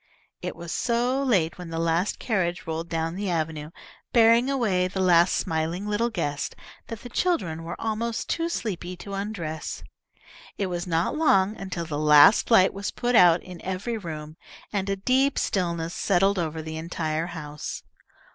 It was so late when the last carriage rolled down the avenue, bearing away the last smiling little guest, that the children were almost too sleepy to undress. It was not long until the last light was put out in every room, and a deep stillness settled over the entire house.